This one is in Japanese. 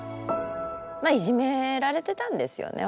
まあいじめられてたんですよね